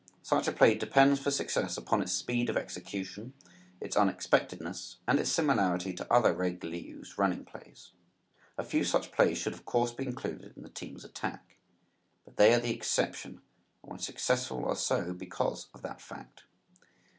Such a play depends for success upon its speed of execution, its unexpectedness and its similarity to other regularly used running plays. A few such plays should of course be included in the team's attack, but they are the exception and when successful are so because of that fact.